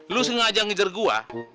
lo sengaja ngejar gua